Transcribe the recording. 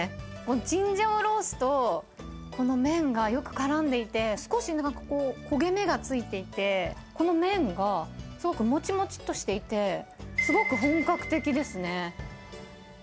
チンジャオロースと、この麺がよくからんでいて、少し焦げ目がついていて、この麺がすごくもちもちっとしていて、すごく本格的ですね。